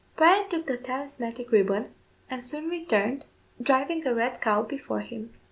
Bryan took the talismanic ribbon, and soon returned, driving a red cow before him.